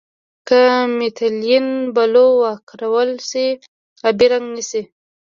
که میتیلین بلو وکارول شي آبي رنګ نیسي.